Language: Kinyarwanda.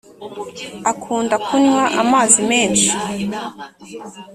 akunda kunnywa amazi menshi